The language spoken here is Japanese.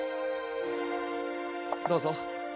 どうぞ。